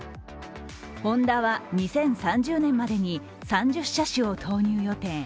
ホンダは２０３０年までに３０車種を投入予定。